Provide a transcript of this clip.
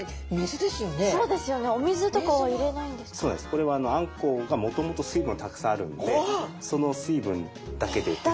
これはあんこうがもともと水分はたくさんあるんでだけで！